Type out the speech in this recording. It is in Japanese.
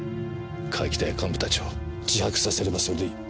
川北や幹部たちを自白させればそれでいい。